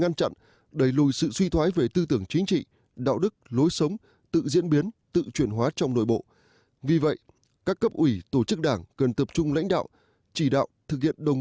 giải pháp sau